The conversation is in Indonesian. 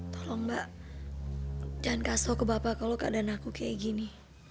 tolong mbak jangan kasih tahu ke bapak kalau keadaan aku kayak gini